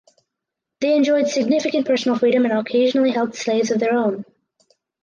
They enjoyed significant personal freedom and occasionally held slaves of their own.